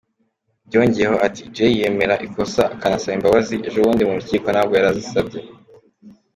Yongeyeho ati “Jay yemera ikosa akanasaba imbabazi, ejobundi mu rukiko nabwo yarazisabye.